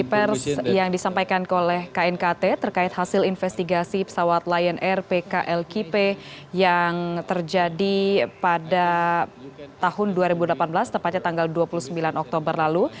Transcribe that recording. ini pers yang disampaikan oleh knkt terkait hasil investigasi pesawat lion air pklkp yang terjadi pada tahun dua ribu delapan belas tepatnya tanggal dua puluh sembilan oktober lalu